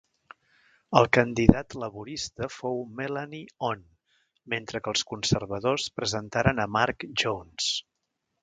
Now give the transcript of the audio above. El candidat laborista fou Melanie Onn, mentre que els Conservadors presentaren a Marc Jones.